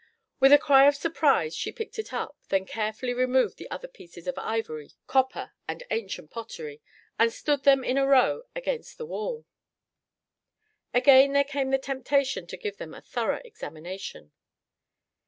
With a cry of surprise she picked it up, then carefully removed the other pieces of ivory, copper and ancient pottery and stood them in a row against the wall. Again there came the temptation to give them a thorough examination.